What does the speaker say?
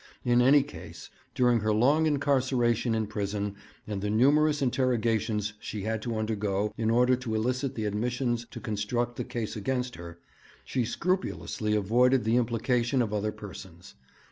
In any case during her long incarceration in prison and the numerous interrogations she had to undergo in order to elicit the admissions to construct the case against her, she scrupulously avoided the implication of other persons.